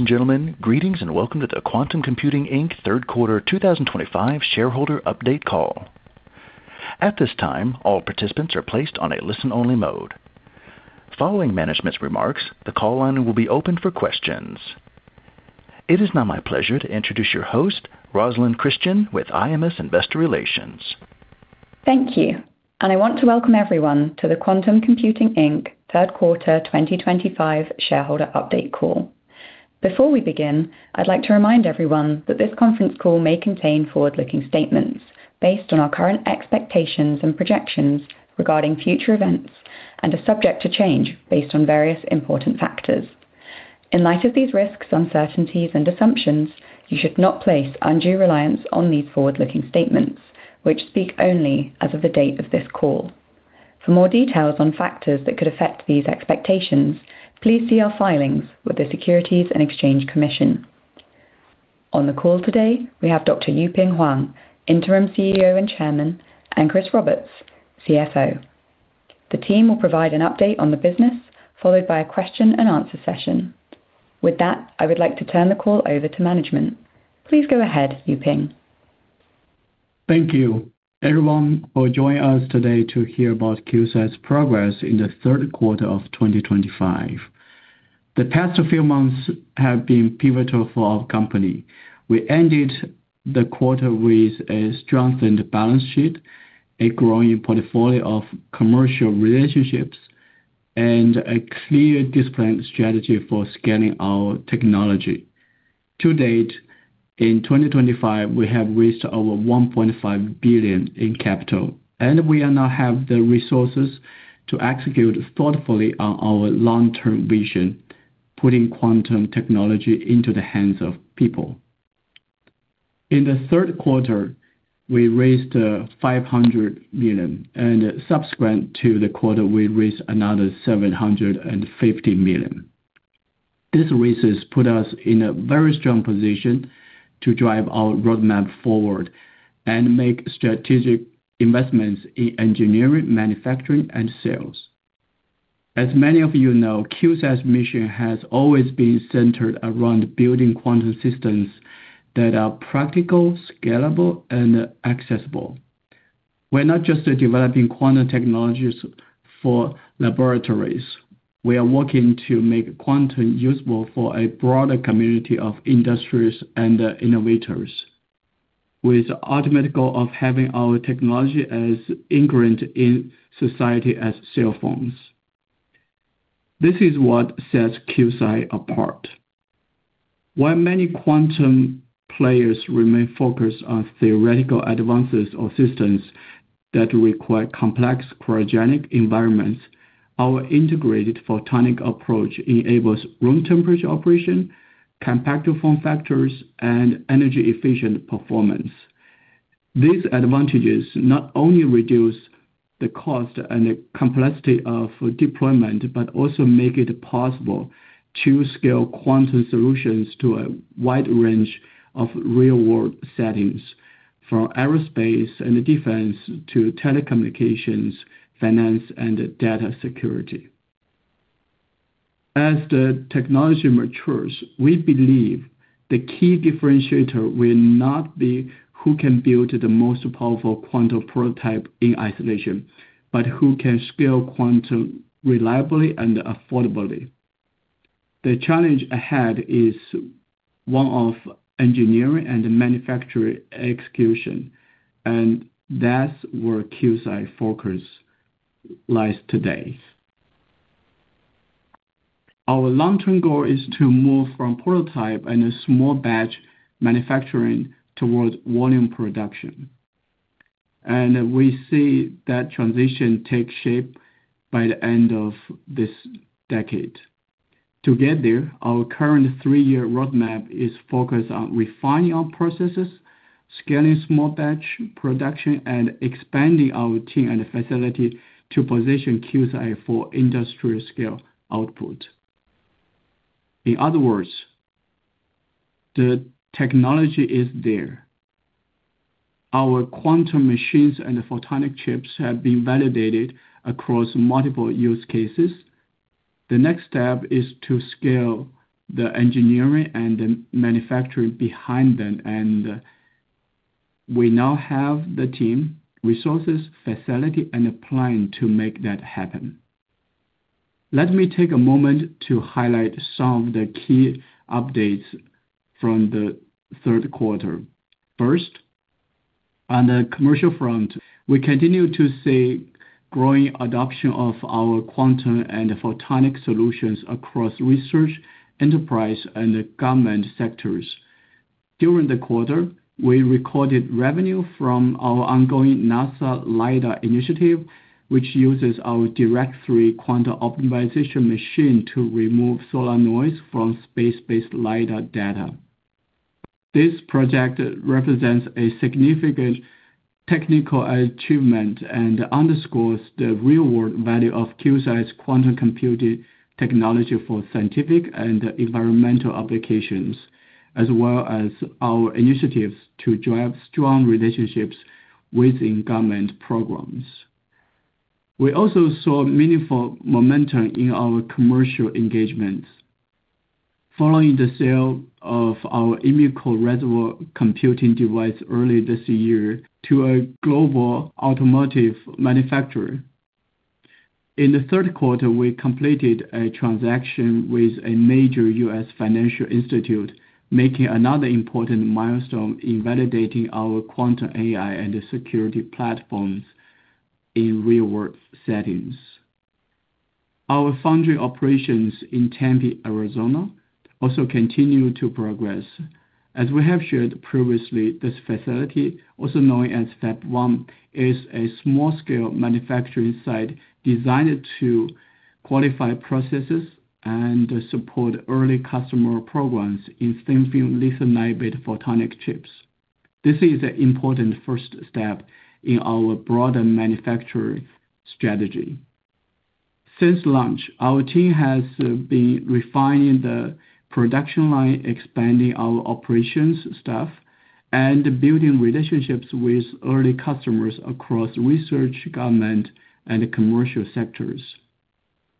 Ladies and gentlemen, greetings and welcome to the Quantum Computing Inc. Q3 2025 shareholder update call. At this time, all participants are placed on a listen-only mode. Following management's remarks, the call line will be open for questions. It is now my pleasure to introduce your host, Roslyn Christian with IMS Investor Relations. Thank you. I want to welcome everyone to the Quantum Computing Inc. Q3 2025 shareholder update call. Before we begin, I'd like to remind everyone that this conference call may contain forward-looking statements based on our current expectations and projections regarding future events and are subject to change based on various important factors. In light of these risks, uncertainties, and assumptions, you should not place undue reliance on these forward-looking statements, which speak only as of the date of this call. For more details on factors that could affect these expectations, please see our filings with the Securities and Exchange Commission. On the call today, we have Dr. Yuping Huang, Interim CEO and Chairman, and Chris Roberts, CFO. The team will provide an update on the business, followed by a question-and-answer session. With that, I would like to turn the call over to management. Please go ahead, Yuping. Thank you, everyone, for joining us today to hear about Quantum Computing Inc.'s progress in the Q3 of 2025. The past few months have been pivotal for our company. We ended the quarter with a strengthened balance sheet, a growing portfolio of commercial relationships, and a clear discipline strategy for scaling our technology. To date, in 2025, we have reached over $1.5 billion in capital, and we now have the resources to execute thoughtfully on our long-term vision, putting quantum technology into the hands of people. In the Q3, we raised $500 million, and subsequent to the quarter, we raised another $750 million. These raises put us in a very strong position to drive our roadmap forward and make strategic investments in engineering, manufacturing, and sales. As many of you know, Quantum Computing Inc.'s mission has always been centered around building quantum systems that are practical, scalable, and accessible. We're not just developing quantum technologies for laboratories. We are working to make quantum usable for a broader community of industries and innovators, with the ultimate goal of having our technology as ingrained in society as cell phones. This is what sets QCI apart. While many quantum players remain focused on theoretical advances of systems that require complex cryogenic environments, our integrated photonic approach enables room temperature operation, more compact form factors, and energy-efficient performance. These advantages not only reduce the cost and the complexity of deployment but also make it possible to scale quantum solutions to a wide range of real-world settings, from aerospace and defense to telecommunications, finance, and data security. As the technology matures, we believe the key differentiator will not be who can build the most powerful quantum prototype in isolation, but who can scale quantum reliably and affordably. The challenge ahead is one of engineering and manufacturing execution, and that's where QSA's focus lies today. Our long-term goal is to move from prototype and small-batch manufacturing towards volume production, and we see that transition take shape by the end of this decade. To get there, our current three-year roadmap is focused on refining our processes, scaling small-batch production, and expanding our team and facility to position QSA for industrial-scale output. In other words, the technology is there. Our quantum machines and photonic chips have been validated across multiple use cases. The next step is to scale the engineering and the manufacturing behind them, and we now have the team, resources, facility, and plan to make that happen. Let me take a moment to highlight some of the key updates from the Q3. First, on the commercial front, we continue to see growing adoption of our quantum and photonic solutions across research, enterprise, and government sectors. During the quarter, we recorded revenue from our ongoing NASA LiDAR initiative, which uses our Direct3 quantum optimization machine to remove solar noise from space-based LiDAR data. This project represents a significant technical achievement and underscores the real-world value of Quantum Computing Inc.'s quantum computing technology for scientific and environmental applications, as well as our initiatives to drive strong relationships within government programs. We also saw meaningful momentum in our commercial engagements, following the sale of our EmuCore reservoir computing device early this year to a global automotive manufacturer. In the third quarter, we completed a transaction with a major U.S. financial institute, making another important milestone in validating our quantum AI and security platforms in real-world settings. Our foundry operations in Tempe, Arizona, also continue to progress. As we have shared previously, this facility, also known as Fab 1, is a small-scale manufacturing site designed to qualify processes and support early customer programs in thin-film lithium niobate photonic chips. This is an important first step in our broader manufacturing strategy. Since launch, our team has been refining the production line, expanding our operations staff, and building relationships with early customers across research, government, and commercial sectors.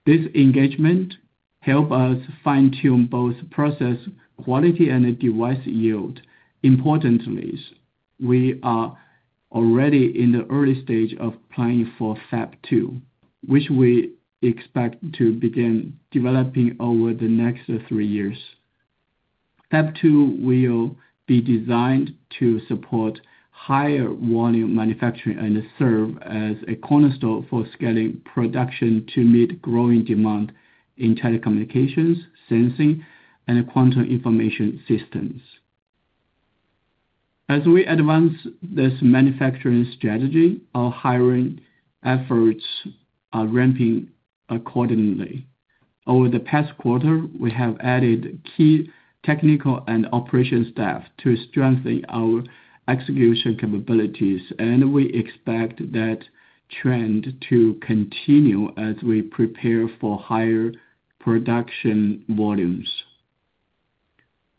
This engagement helps us fine-tune both process quality and device yield. Importantly, we are already in the early stage of planning for Fab 2, which we expect to begin developing over the next three years. Fab 2 will be designed to support higher volume manufacturing and serve as a cornerstone for scaling production to meet growing demand in telecommunications, sensing, and quantum information systems. As we advance this manufacturing strategy, our hiring efforts are ramping accordingly. Over the past quarter, we have added key technical and operations staff to strengthen our execution capabilities, and we expect that trend to continue as we prepare for higher production volumes.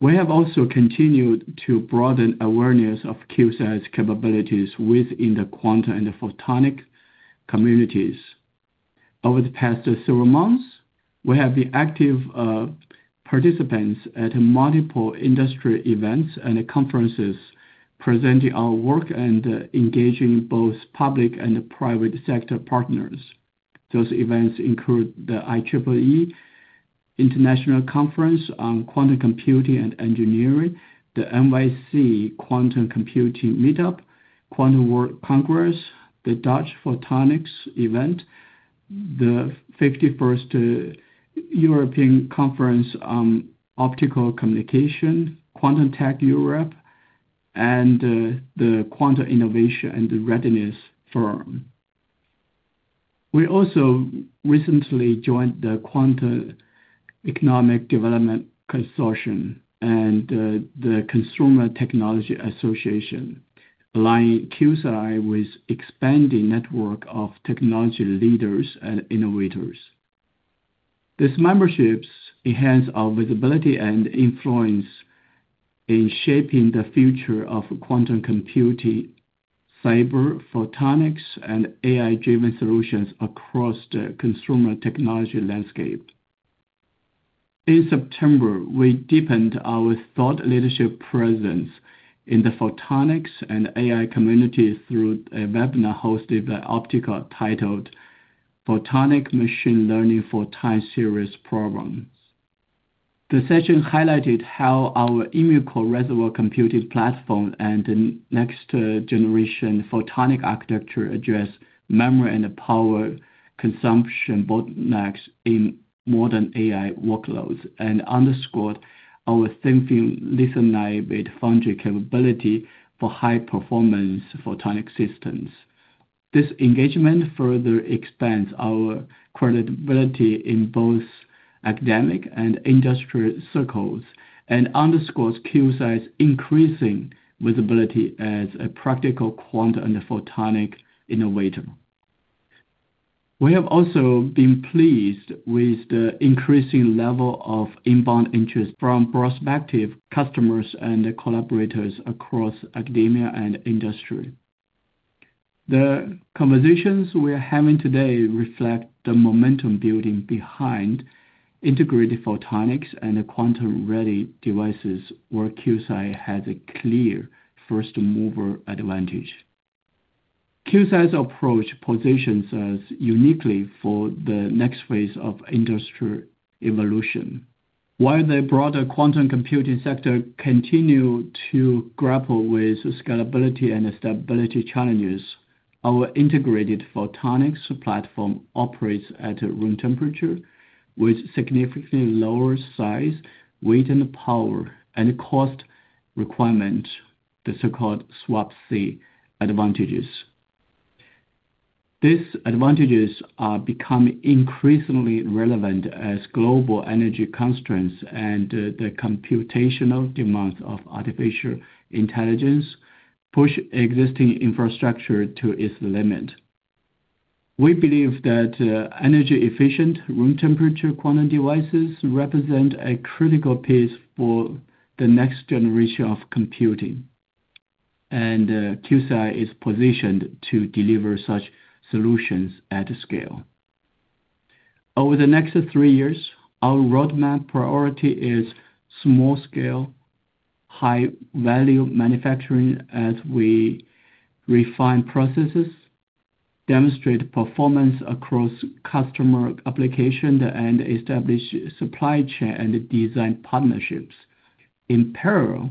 We have also continued to broaden awareness of QSA's capabilities within the quantum and photonic communities. Over the past several months, we have been active participants at multiple industry events and conferences, presenting our work and engaging both public and private sector partners. Those events include the IEEE International Conference on Quantum Computing and Engineering, the NYC Quantum Computing Meetup, Quantum World Congress, the Dutch Photonics Event, the 51st European Conference on Optical Communication, Quantum Tech Europe, and the Quantum Innovation and Readiness Forum. We also recently joined the Quantum Economic Development Consortium and the Consumer Technology Association, aligning QSA with an expanding network of technology leaders and innovators. These memberships enhance our visibility and influence in shaping the future of quantum computing, cyber, photonics, and AI-driven solutions across the consumer technology landscape. In September, we deepened our thought leadership presence in the photonics and AI community through a webinar hosted by Optica titled "Photonic Machine Learning for Time-Series Problems." The session highlighted how our EmuCore reservoir computing platform and next-generation photonic architecture address memory and power consumption bottlenecks in modern AI workloads and underscored our thin-film lithium niobate foundry capability for high-performance photonic systems. This engagement further expands our credibility in both academic and industrial circles and underscores Quantum Computing Inc.'s increasing visibility as a practical quantum and photonic innovator. We have also been pleased with the increasing level of inbound interest from prospective customers and collaborators across academia and industry. The conversations we are having today reflect the momentum building behind integrated photonics and quantum-ready devices, where QSA has a clear first-mover advantage. QSA's approach positions us uniquely for the next phase of industrial evolution. While the broader quantum computing sector continues to grapple with scalability and stability challenges, our integrated photonics platform operates at room temperature with significantly lower size, weight, and power, and cost requirements, the so-called SWaP-C advantages. These advantages are becoming increasingly relevant as global energy constraints and the computational demands of artificial intelligence push existing infrastructure to its limit. We believe that energy-efficient room-temperature quantum devices represent a critical piece for the next generation of computing, and QSA is positioned to deliver such solutions at scale. Over the next three years, our roadmap priority is small-scale, high-value manufacturing as we refine processes, demonstrate performance across customer applications, and establish supply chain and design partnerships. In parallel,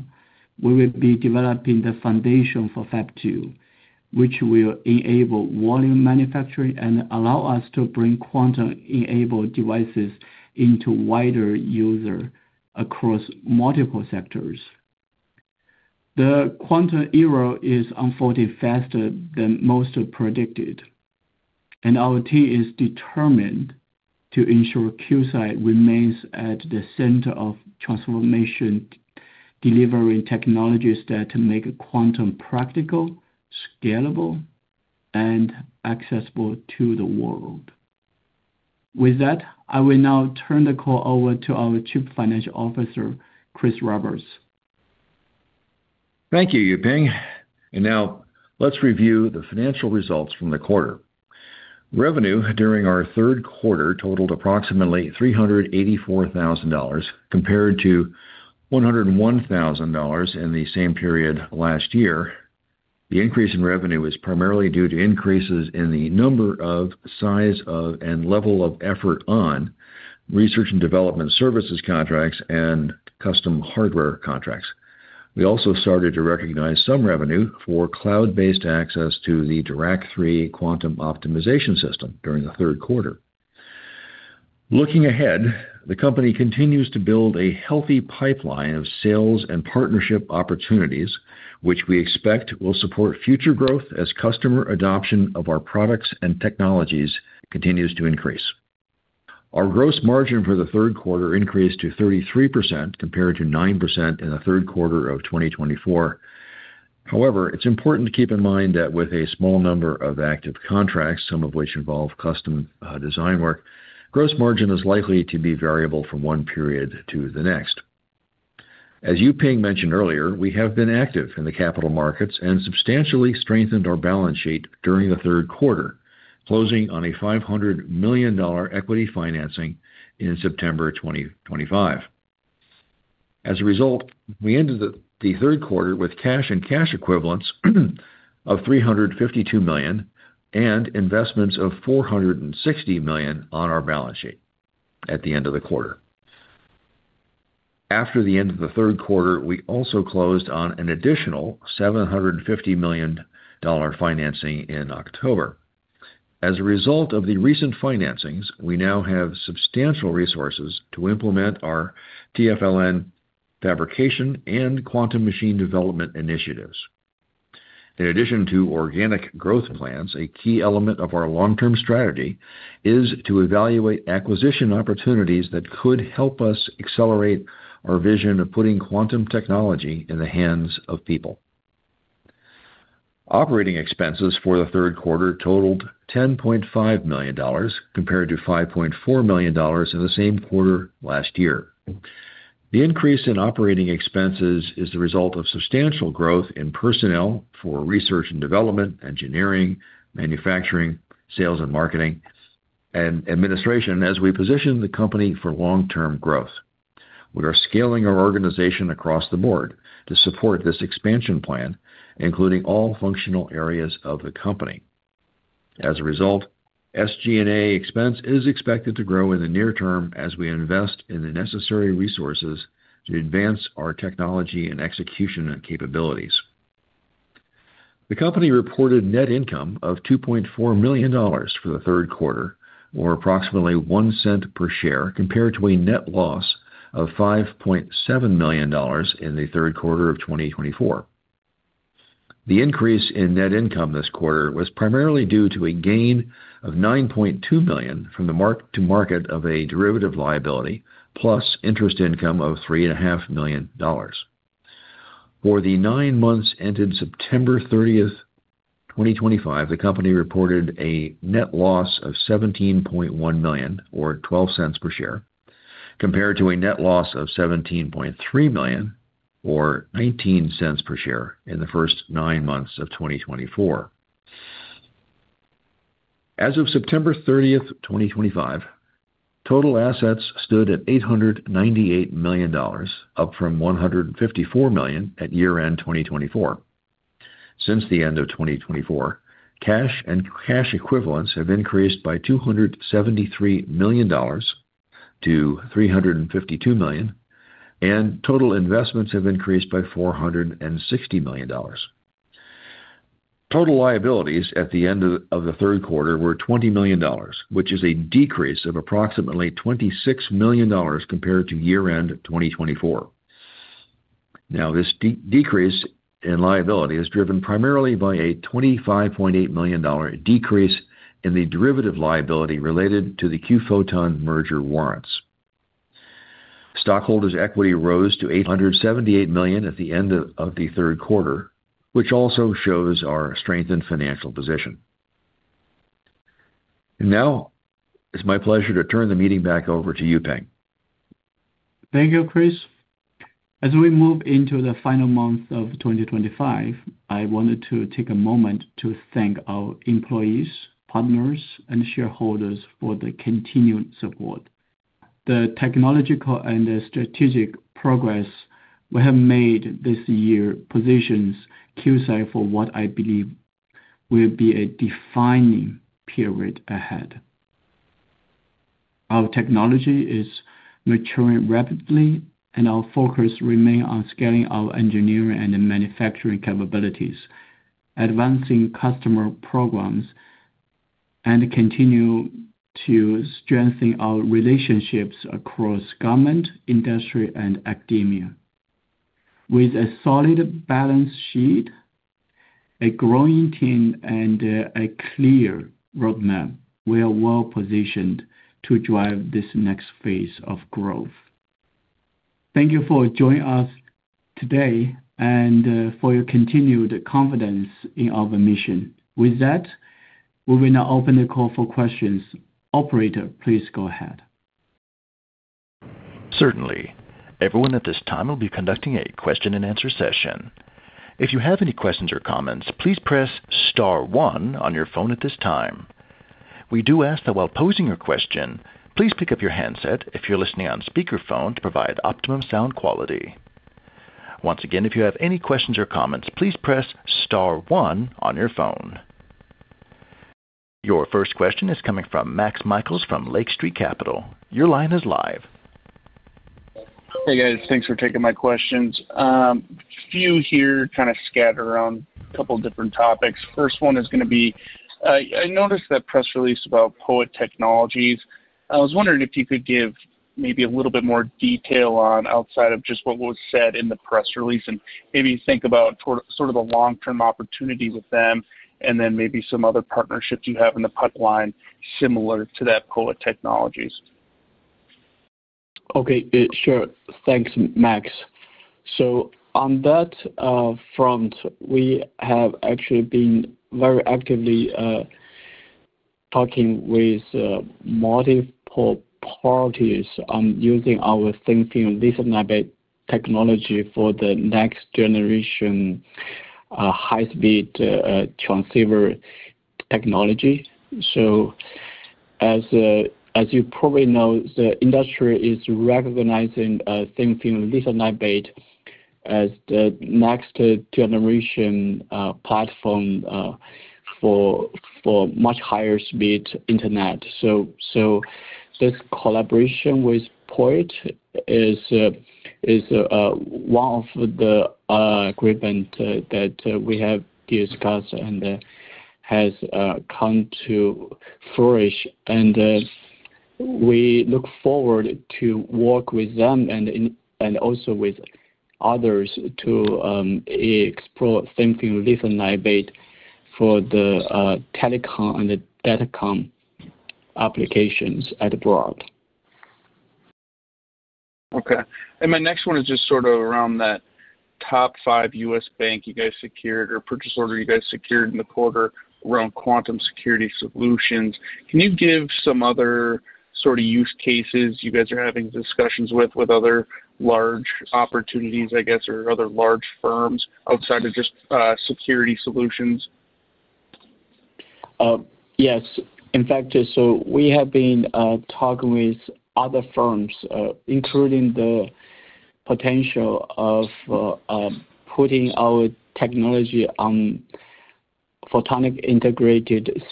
we will be developing the foundation for Fab 2, which will enable volume manufacturing and allow us to bring quantum-enabled devices into wider users across multiple sectors. The quantum era is unfolding faster than most predicted, and our team is determined to ensure QSA remains at the center of transformation delivering technologies that make quantum practical, scalable, and accessible to the world. With that, I will now turn the call over to our Chief Financial Officer, Chris Roberts. Thank you, Yuping. Now, let's review the financial results from the quarter. Revenue during our Q3 totaled approximately $384,000, compared to $101,000 in the same period last year. The increase in revenue is primarily due to increases in the number of, size of, and level of effort on research and development services contracts and custom hardware contracts. We also started to recognize some revenue for cloud-based access to the Dirac-3 quantum optimization system during the Q3. Looking ahead, the company continues to build a healthy pipeline of sales and partnership opportunities, which we expect will support future growth as customer adoption of our products and technologies continues to increase. Our gross margin for the Q3 increased to 33% compared to 9% in the Q3 of 2024. However, it's important to keep in mind that with a small number of active contracts, some of which involve custom design work, gross margin is likely to be variable from one period to the next. As Yuping mentioned earlier, we have been active in the capital markets and substantially strengthened our balance sheet during the Q3, closing on a $500 million equity financing in September 2025. As a result, we ended the Q3 with cash and cash equivalents of $352 million and investments of $460 million on our balance sheet at the end of the quarter. After the end of the Q3, we also closed on an additional $750 million financing in October. As a result of the recent financings, we now have substantial resources to implement our TFLN fabrication and quantum machine development initiatives. In addition to organic growth plans, a key element of our long-term strategy is to evaluate acquisition opportunities that could help us accelerate our vision of putting quantum technology in the hands of people. Operating expenses for the Q3 totaled $10.5 million, compared to $5.4 million in the same quarter last year. The increase in operating expenses is the result of substantial growth in personnel for research and development, engineering, manufacturing, sales and marketing, and administration as we position the company for long-term growth. We are scaling our organization across the board to support this expansion plan, including all functional areas of the company. As a result, SG&A expense is expected to grow in the near term as we invest in the necessary resources to advance our technology and execution capabilities. The company reported net income of $2.4 million for the Q3, or approximately $0.01 per share, compared to a net loss of $5.7 million in the Q3 of 2024. The increase in net income this quarter was primarily due to a gain of $9.2 million from the mark-to-market of a derivative liability, plus interest income of $3.5 million. For the nine months ended September 30, 2025, the company reported a net loss of $17.1 million, or $0.12 per share, compared to a net loss of $17.3 million, or $0.19 per share in the first nine months of 2024. As of September 30, 2025, total assets stood at $898 million, up from $154 million at year-end 2024. Since the end of 2024, cash and cash equivalents have increased by $273 million to $352 million, and total investments have increased by $460 million. Total liabilities at the end of the Q3 were $20 million, which is a decrease of approximately $26 million compared to year-end 2024. Now, this decrease in liability is driven primarily by a $25.8 million decrease in the derivative liability related to the QPhoton merger warrants. Stockholders' equity rose to $878 million at the end of the Q3, which also shows our strengthened financial position. It is my pleasure to turn the meeting back over to Yuping. Thank you, Chris. As we move into the final month of 2025, I wanted to take a moment to thank our employees, partners, and shareholders for the continued support. The technological and strategic progress we have made this year positions Quantum Computing for what I believe will be a defining period ahead. Our technology is maturing rapidly, and our focus remains on scaling our engineering and manufacturing capabilities, advancing customer programs, and continuing to strengthen our relationships across government, industry, and academia. With a solid balance sheet, a growing team, and a clear roadmap, we are well-positioned to drive this next phase of growth. Thank you for joining us today and for your continued confidence in our mission. With that, we will now open the call for questions. Operator, please go ahead. Certainly. Everyone at this time will be conducting a question-and-answer session. If you have any questions or comments, please press star 1 on your phone at this time. We do ask that while posing your question, please pick up your handset if you're listening on speakerphone to provide optimum sound quality. Once again, if you have any questions or comments, please press star 1 on your phone. Your first question is coming from Max Michaelis from Lake Street Capital. Your line is live. Hey, guys. Thanks for taking my questions. A few here kind of scattered around a couple of different topics. First one is going to be I noticed that press release about POET Technologies. I was wondering if you could give maybe a little bit more detail on outside of just what was said in the press release and maybe think about sort of the long-term opportunity with them and then maybe some other partnerships you have in the pipeline similar to that POET Technologies. Okay. Sure. Thanks, Max. On that front, we have actually been very actively talking with multiple parties on using our thin-film lithium niobate technology for the next-generation high-speed transceiver technology. As you probably know, the industry is recognizing thin-film lithium niobate as the next-generation platform for much higher-speed internet. This collaboration with Poet is one of the agreements that we have discussed and has come to flourish. We look forward to work with them and also with others to explore thin-film lithium niobate for the telecom and the data com applications at the broad. Okay. My next one is just sort of around that top five U.S. bank you guys secured or purchase order you guys secured in the quarter around quantum security solutions. Can you give some other sort of use cases you guys are having discussions with, with other large opportunities, I guess, or other large firms outside of just security solutions? Yes. In fact, we have been talking with other firms, including the potential of putting our technology on photonic integrated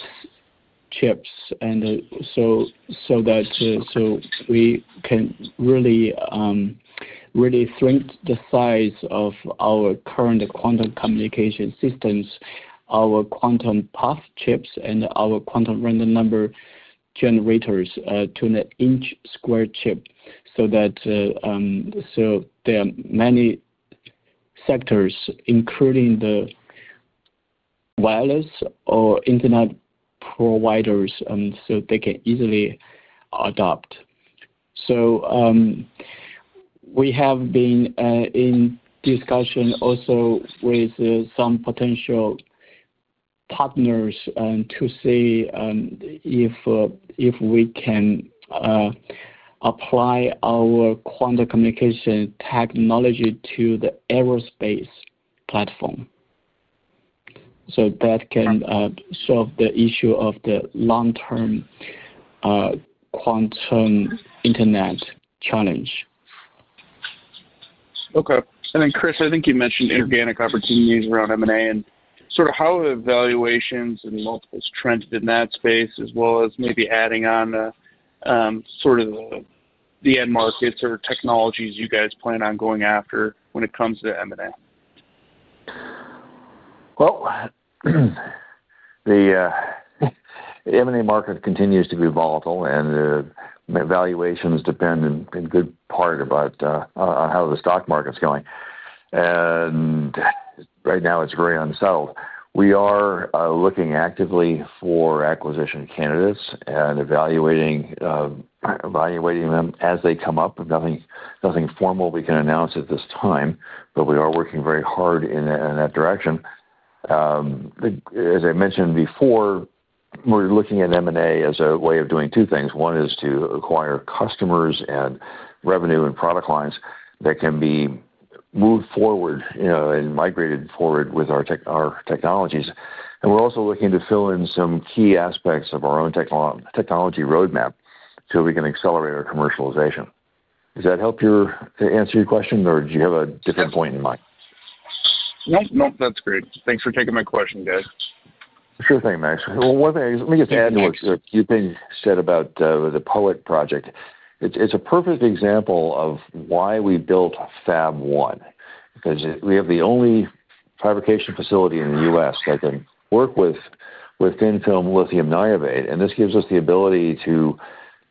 chips so that we can really shrink the size of our current quantum communication systems, our quantum path chips, and our quantum random number generators to an inch-squared chip so that there are many sectors, including the wireless or internet providers, so they can easily adopt. We have been in discussion also with some potential partners to see if we can apply our quantum communication technology to the aerospace platform so that can solve the issue of the long-term quantum internet challenge. Okay. Chris, I think you mentioned organic opportunities around M&A and sort of how evaluations and multiples trended in that space, as well as maybe adding on sort of the end markets or technologies you guys plan on going after when it comes to M&A. The M&A market continues to be volatile, and evaluations depend in good part on how the stock market's going. Right now, it's very unsettled. We are looking actively for acquisition candidates and evaluating them as they come up. Nothing formal we can announce at this time, but we are working very hard in that direction. As I mentioned before, we're looking at M&A as a way of doing two things. One is to acquire customers and revenue and product lines that can be moved forward and migrated forward with our technologies. We are also looking to fill in some key aspects of our own technology roadmap so we can accelerate our commercialization. Does that help you answer your question, or do you have a different point in mind? Nope. Nope. That's great. Thanks for taking my question, guys. Sure thing, Max. One thing, let me just add to what Yuping said about the POET project. It's a perfect example of why we built Fab 1 because we have the only fabrication facility in the U.S. that can work with thin-film lithium niobate. This gives us the ability to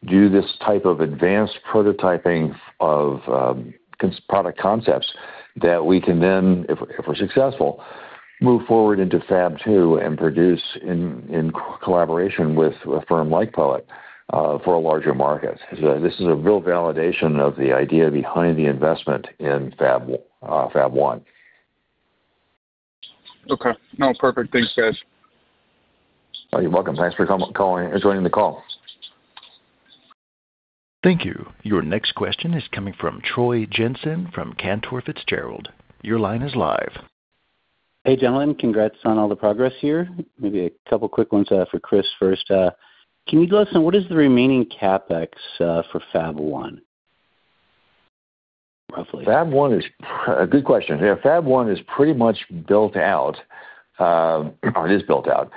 do this type of advanced prototyping of product concepts that we can then, if we're successful, move forward into Fab 2 and produce in collaboration with a firm like POET for a larger market. This is a real validation of the idea behind the investment in Fab 1. Okay. No, perfect. Thanks, guys. You're welcome. Thanks for calling and joining the call. Thank you. Your next question is coming from Troy Jensen from Cantor Fitzgerald. Your line is live. Hey, Yuping. Congrats on all the progress here. Maybe a couple of quick ones for Chris first. Can you tell us what is the remaining CapEx for Fab 1, roughly? Fab 1 is a good question. Fab 1 is pretty much built out. It is built out.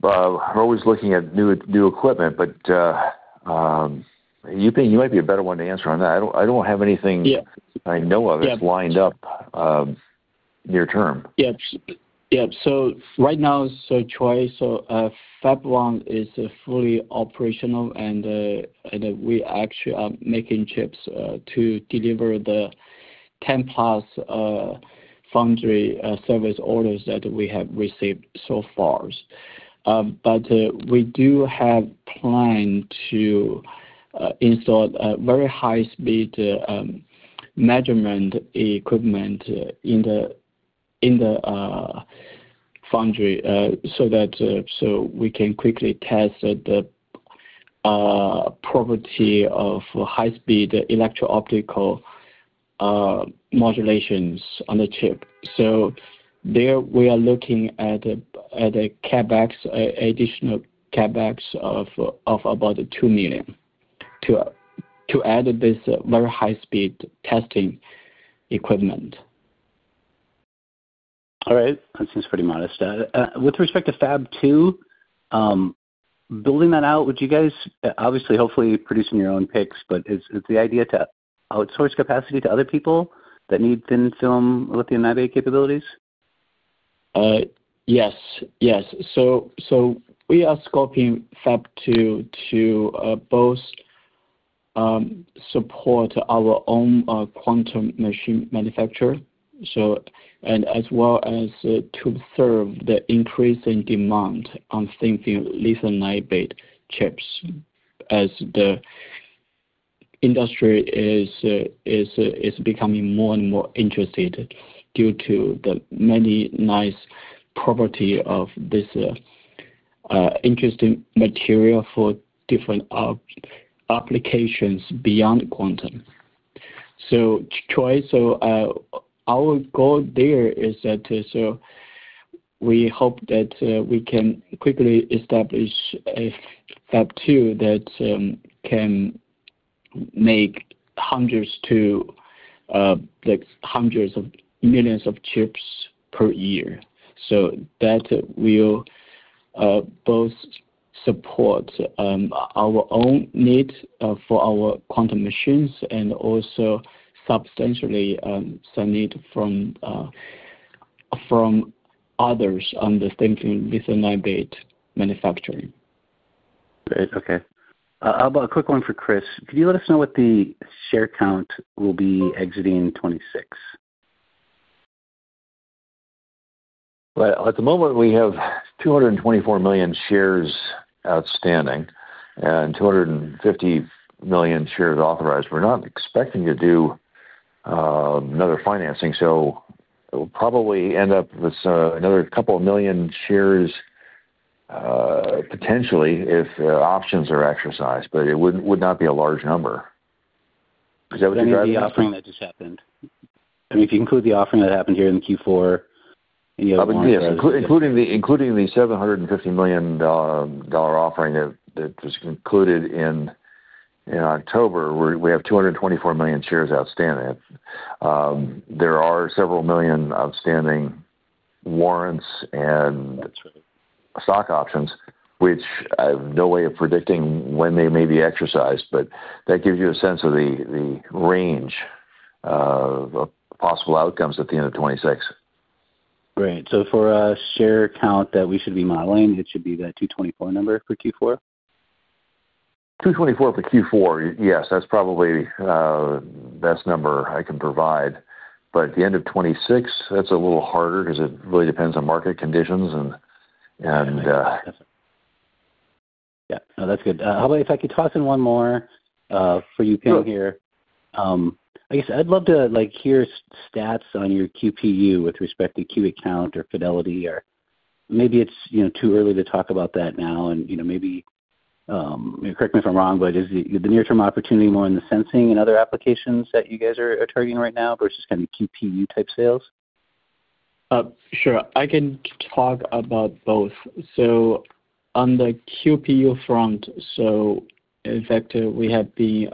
We're always looking at new equipment, but Yuping, you might be a better one to answer on that. I don't have anything I know of that's lined up near term. Yep. Yep. Right now, Troy, Fab 1 is fully operational, and we actually are making chips to deliver the 10+ foundry service orders that we have received so far. We do have planned to install very high-speed measurement equipment in the foundry so that we can quickly test the property of high-speed electro-optical modulations on the chip. There we are looking at an additional CapEx of about $2 million to add this very high-speed testing equipment. All right. That seems pretty modest. With respect to Fab 2, building that out, would you guys obviously, hopefully, produce in your own picks, but is the idea to outsource capacity to other people that need thin-film lithium niobate capabilities? Yes. Yes. We are scoping Fab 2 to both support our own quantum machine manufacturer and as well as to serve the increasing demand on thin-film lithium niobate chips as the industry is becoming more and more interested due to the many nice properties of this interesting material for different applications beyond quantum. Troy, our goal there is that we hope that we can quickly establish a Fab 2 that can make hundreds to millions of chips per year. That will both support our own need for our quantum machines and also substantially submit from others on the thin-film lithium niobate manufacturing. Great. Okay. How about a quick one for Chris? Could you let us know what the share count will be exiting 2026? At the moment, we have 224 million shares outstanding and 250 million shares authorized. We are not expecting to do another financing. It will probably end up with another couple of million shares potentially if options are exercised, but it would not be a large number. Is that what you're driving? Yeah, the offering that just happened. I mean, if you include the offering that happened here in Q4, any other options. Including the $750 million offering that was concluded in October, we have 224 million shares outstanding. There are several million outstanding warrants and stock options, which I have no way of predicting when they may be exercised, but that gives you a sense of the range of possible outcomes at the end of 2026. Great. For a share count that we should be modeling, it should be the 224 number for Q4? 224 for Q4, yes. That's probably the best number I can provide. But at the end of 2026, that's a little harder because it really depends on market conditions and. Yeah. No, that's good. How about if I could toss in one more for Yuping here? I guess I'd love to hear stats on your QPU with respect to Q account or Fidelity or maybe it's too early to talk about that now. And maybe correct me if I'm wrong, but is the near-term opportunity more in the sensing and other applications that you guys are targeting right now versus kind of QPU-type sales? Sure. I can talk about both. So on the QPU front, so in fact, we have been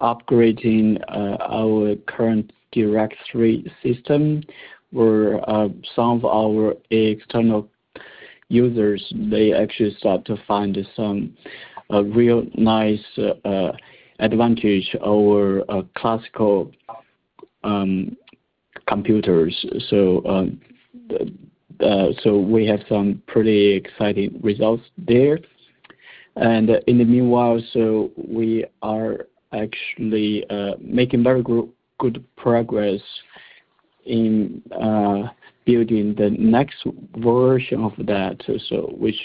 upgrading our current Direct3 system where some of our external users, they actually start to find some real nice advantage over classical computers. So we have some pretty exciting results there. In the meanwhile, we are actually making very good progress in building the next version of that, which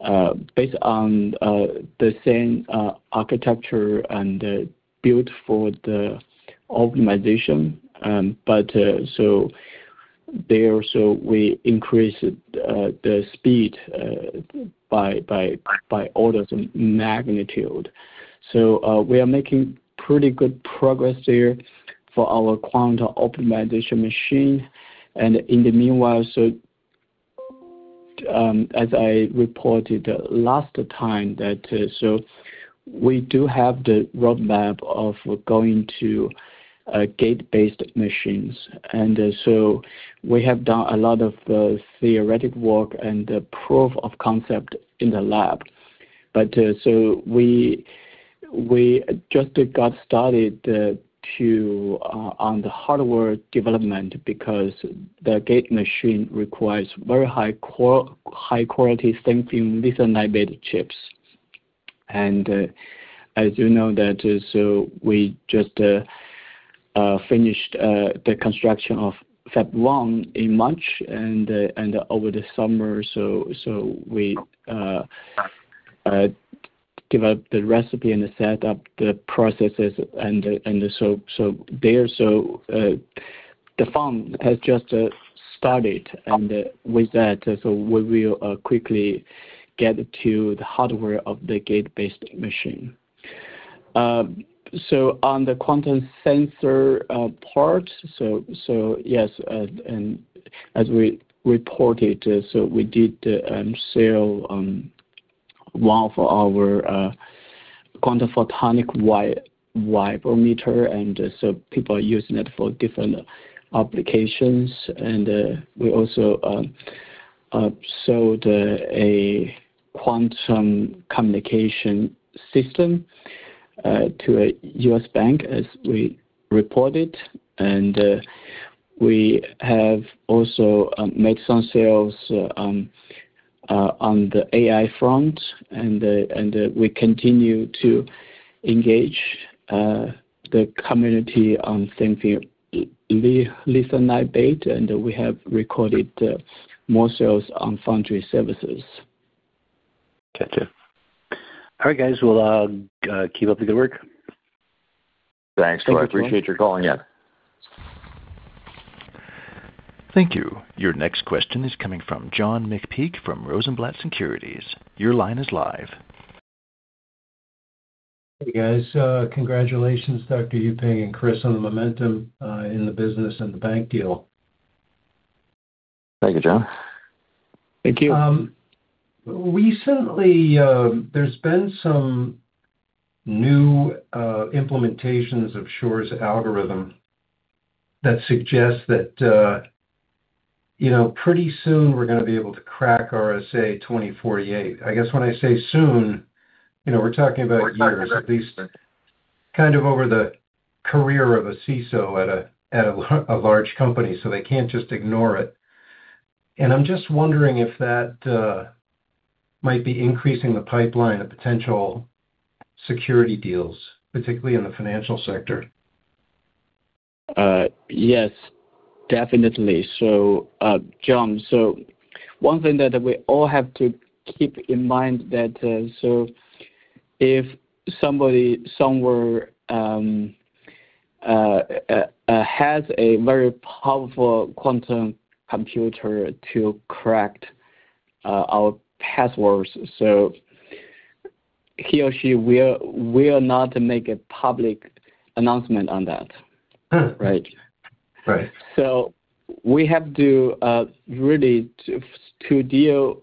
is based on the same architecture and built for the optimization. There, we increased the speed by orders of magnitude. We are making pretty good progress there for our quantum optimization machine. In the meanwhile, as I reported last time, we do have the roadmap of going to gate-based machines. We have done a lot of theoretical work and proof of concept in the lab. We just got started on the hardware development because the gate machine requires very high-quality thin-film lithium niobate chips. As you know, we just finished the construction of Fab 1 in March and over the summer. We developed the recipe and set up the processes. There, so the fund has just started. With that, we will quickly get to the hardware of the gate-based machine. On the quantum sensor part, yes. As we reported, we did sell one for our quantum photonic vibrometer. People are using it for different applications. We also sold a quantum communication system to a U.S. bank, as we reported. We have also made some sales on the AI front. We continue to engage the community on thin-film lithium niobate. We have recorded more sales on foundry services. Gotcha. All right, guys. Keep up the good work. Thanks, Troy. Appreciate your calling in. Thank you. Your next question is coming from John McPeake from Rosenblatt Securities. Your line is live. Hey, guys. Congratulations, Dr. Yuping and Chris, on the momentum in the business and the bank deal. Thank you, John. Thank you. Recently, there's been some new implementations of Shor's algorithm that suggests that pretty soon we're going to be able to crack RSA 2048. I guess when I say soon, we're talking about years, at least kind of over the career of a CISO at a large company. They can't just ignore it. I'm just wondering if that might be increasing the pipeline of potential security deals, particularly in the financial sector. Yes, definitely. John, one thing that we all have to keep in mind is that if someone has a very powerful quantum computer to crack our passwords, he or she will not make a public announcement on that, right? We have to really deal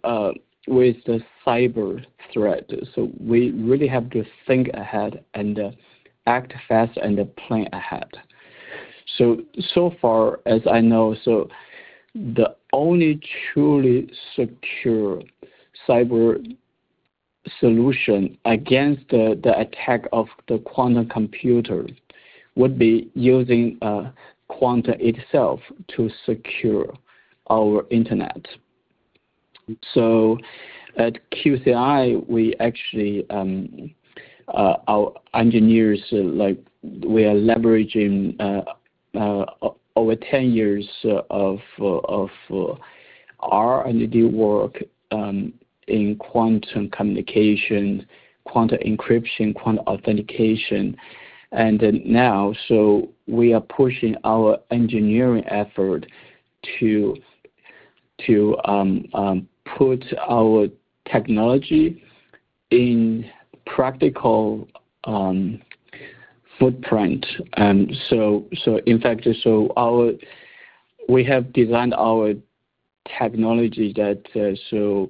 with the cyber threat. We really have to think ahead and act fast and plan ahead. So far, as I know, the only truly secure cyber solution against the attack of the quantum computer would be using quantum itself to secure our internet. At QCI, we actually, our engineers, we are leveraging over 10 years of our engineering work in quantum communication, quantum encryption, quantum authentication. Now, we are pushing our engineering effort to put our technology in practical footprint. In fact, we have designed our technology so that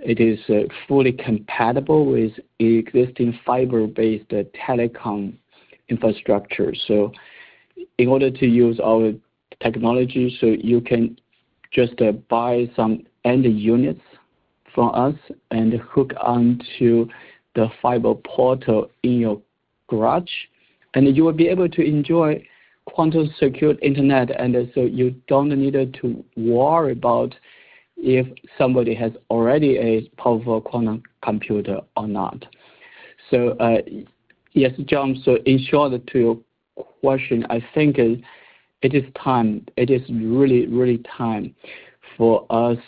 it is fully compatible with existing fiber-based telecom infrastructure. In order to use our technology, you can just buy some end units from us and hook onto the fiber portal in your garage. You will be able to enjoy quantum-secured internet. You do not need to worry about if somebody has already a powerful quantum computer or not. Yes, John, in short, to your question, I think it is time. It is really, really time for us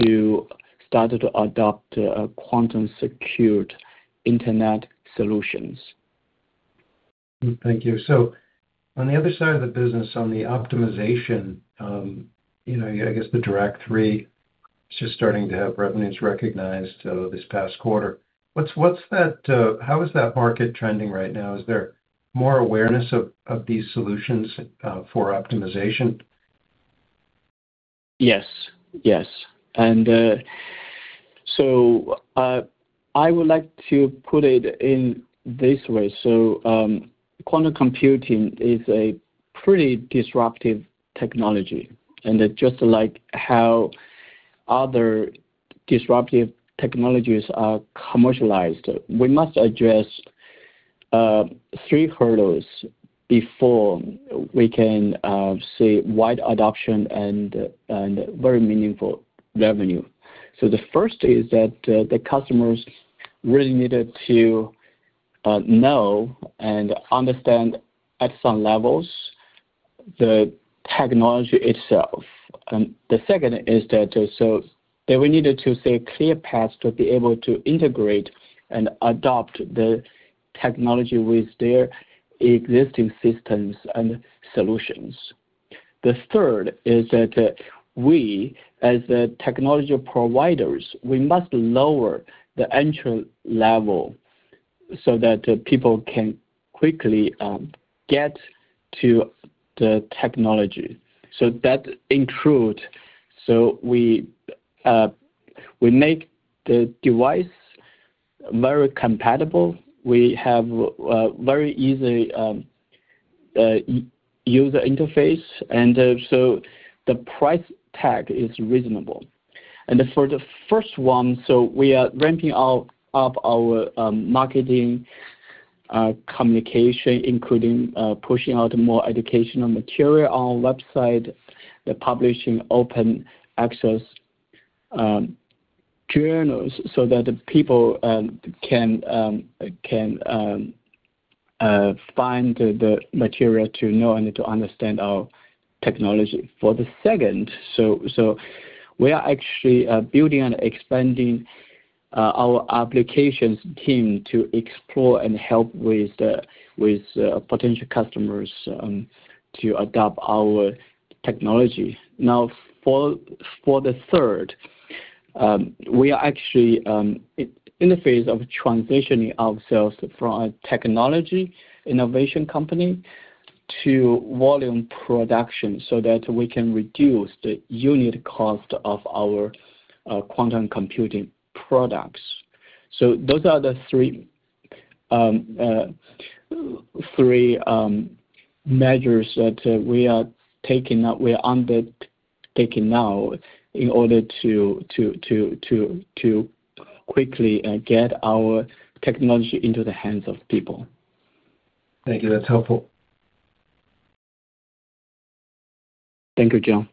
to start to adopt quantum-secured internet solutions. Thank you. On the other side of the business, on the optimization, I guess the Dirac-3 is just starting to have revenues recognized this past quarter. How is that market trending right now? Is there more awareness of these solutions for optimization? Yes. Yes. I would like to put it in this way. Quantum computing is a pretty disruptive technology. Just like how other disruptive technologies are commercialized, we must address three hurdles before we can see wide adoption and very meaningful revenue. The first is that the customers really needed to know and understand at some levels the technology itself. The second is that they will need to see a clear path to be able to integrate and adopt the technology with their existing systems and solutions. The third is that we, as technology providers, must lower the entry level so that people can quickly get to the technology. That includes making the device very compatible. We have a very easy user interface, and the price tag is reasonable. For the first one, we are ramping up our marketing communication, including pushing out more educational material on our website, publishing open access journals so that people can find the material to know and to understand our technology. For the second, we are actually building and expanding our applications team to explore and help with potential customers to adopt our technology. Now, for the third, we are actually in the phase of transitioning ourselves from a technology innovation company to volume production so that we can reduce the unit cost of our quantum computing products. Those are the three measures that we are undertaking now in order to quickly get our technology into the hands of people. Thank you. That's helpful. Thank you, John.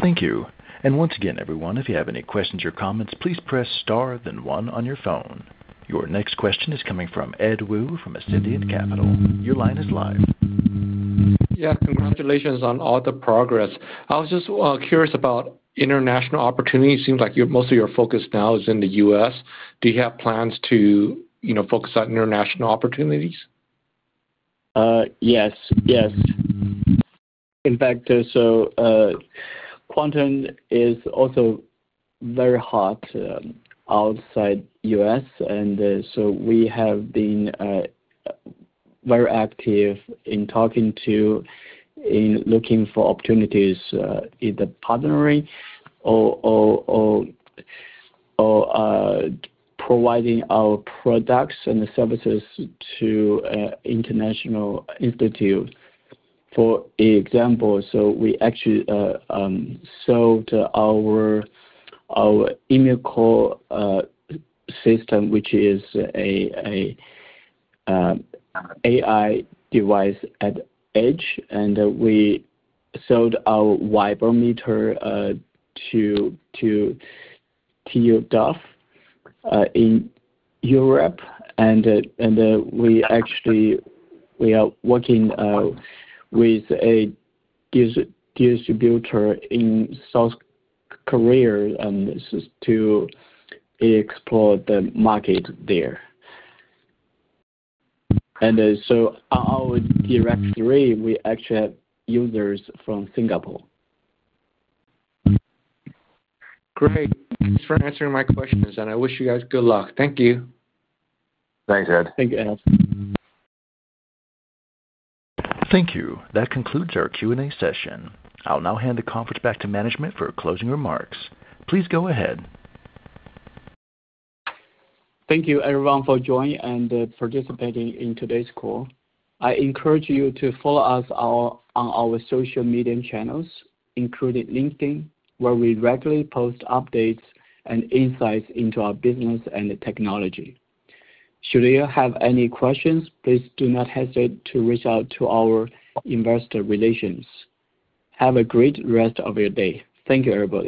Thank you. Once again, everyone, if you have any questions or comments, please press star, then one on your phone. Your next question is coming from Ed Wu from Ascendiant Capital. Your line is live. Yeah. Congratulations on all the progress. I was just curious about international opportunities. It seems like most of your focus now is in the U.S. Do you have plans to focus on international opportunities? Yes. Yes. In fact, quantum is also very hot outside the U.S., and we have been very active in talking to and looking for opportunities either partnering or providing our products and services to international institutes. For example, we actually sold our EmuCore system, which is an AI device at Edge, and we sold our vibrometer to TU Delft in Europe. We actually are working with a distributor in South Korea to explore the market there. Our Dirac-3, we actually have users from Singapore. Great. Thanks for answering my questions. I wish you guys good luck. Thank you. Thanks, Ed. Thank you, Ed. Thank you. That concludes our Q&A session. I'll now hand the conference back to management for closing remarks. Please go ahead. Thank you, everyone, for joining and participating in today's call. I encourage you to follow us on our social media channels, including LinkedIn, where we regularly post updates and insights into our business and technology. Should you have any questions, please do not hesitate to reach out to our investor relations. Have a great rest of your day. Thank you, everybody.